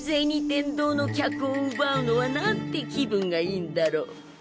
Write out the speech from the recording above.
天堂の客をうばうのはなんて気分がいいんだろう。